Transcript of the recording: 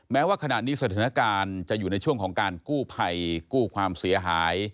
แม้ว่าขณะนี้สถานการณ์จะอยู่ในช่วงของการกู้ภัยกู้ความเสียหาย